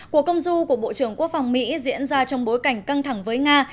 cuộc công du của bộ trưởng quốc phòng mỹ diễn ra trong bối cảnh căng thẳng với nga